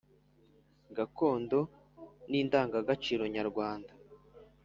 gakondo n’indangagaciro nyarwanda